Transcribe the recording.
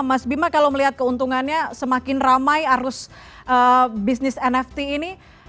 mas bima kalau melihat keuntungannya semakin ramai arus bisnis nft ini